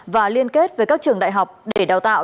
và liên kết với các trường đại học để đào tạo